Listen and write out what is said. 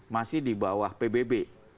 masih di bawah pbb